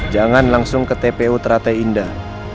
jangan langsung ke tpu teratai indah